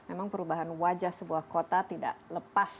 dan memang perubahan wajah sebuah kota tidak terlalu mudah ya